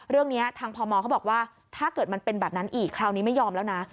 เรื่องนี้ทางพมเขาบอกว่าถ้าเกิดมันเป็นแบบนั้นอีกคราวนี้ไม่ยอมแล้วนะ